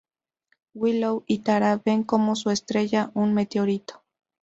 Willow y Tara ven cómo se estrella un meteorito.